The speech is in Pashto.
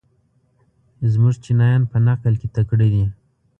زموږ چینایان په نقل کې تکړه دي.